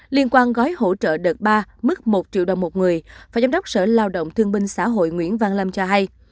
liên quan gói hỗ trợ đợt ba mức một triệu đồng một người phó giám đốc sở lao động thương binh xã hội nguyễn văn lâm cho hay